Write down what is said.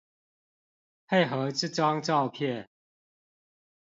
配合這張照片